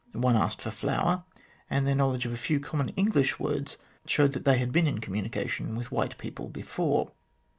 One asked for flour, and their knowledge of a few common English words showed that they had been in communication with white people before.